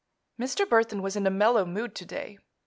Mr. Burthon was in a mellow mood to day.